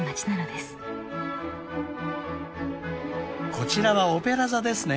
［こちらはオペラ座ですね］